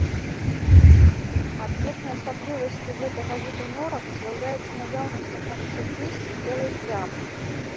Адметнай асаблівасцю гэтага віду норак з'яўляецца наяўнасць на канцы пысы белай плямы.